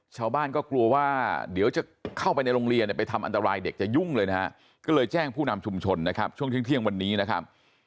ชาวบ้านก็กลัวว่าเดี๋ยวจะเข้าไปในโรงเรียนเนี่ยไปทำอันตรายเด็กจะยุ่งเลยนะฮะก็เลยแจ้งผู้นำชุมชนนะครับช่วงเที่ยงวันนี้นะครับ